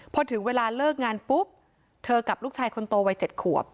พอถึงเวลาเลิกงานปุ๊บเธอกับลูกชายคนโตวัย๗ขวบ